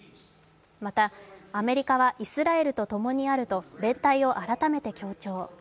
また、アメリカはイスラエルとともにあると連帯を改めて強調。